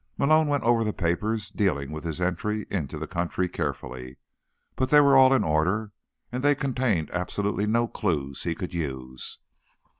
Malone went over the papers dealing with his entry into the country carefully, but they were all in order and they contained absolutely no clues he could use.